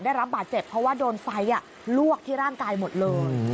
ได้รับบาดเจ็บเพราะว่าโดนไฟลวกที่ร่างกายหมดเลย